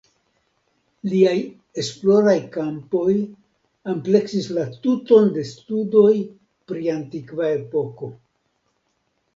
Lia esploraj kampoj ampleksis la tuton de studoj pri antikva epoko.